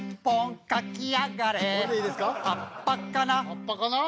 「葉っぱかな？」